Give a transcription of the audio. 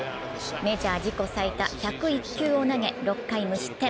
メジャー自己最多１０１球を投げ６回無失点。